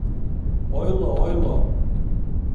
— Ойло, ойло...